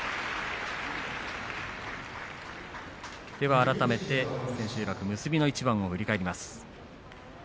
改めて千秋楽結びの一番を振り返ります。